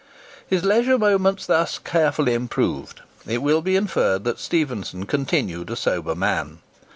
His leisure moments thus carefully improved, it will be inferred that Stephenson continued a sober man.